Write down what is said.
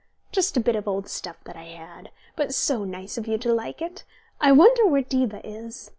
Just a bit of old stuff that I had. But so nice of you to like it. I wonder where Diva is.